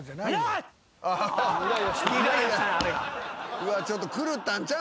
うわちょっと狂ったんちゃう？